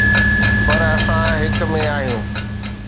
پر اسان هڪ ۾ آهيون.